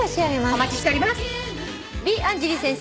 お待ちしております。